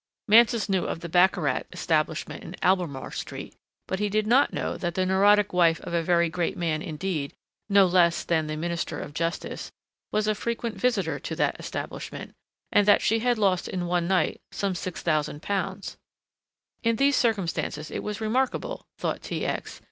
Mansus knew of the baccarat establishment in Albemarle Street, but he did not know that the neurotic wife of a very great man indeed, no less than the Minister of Justice, was a frequent visitor to that establishment, and that she had lost in one night some 6,000 pounds. In these circumstances it was remarkable, thought T. X.